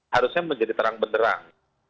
harusnya menjadi terang benderang